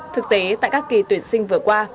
thực tế tại các kỳ tuyển sinh vừa qua